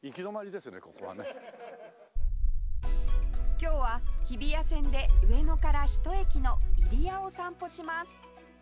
今日は日比谷線で上野からひと駅の入谷を散歩します